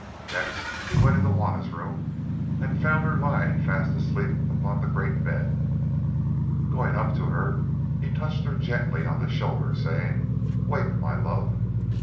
Next he went into Juanna's room and found her lying fast asleep upon the great bed. Going up to her he touched her gently on the shoulder, saying, "Wake, my love."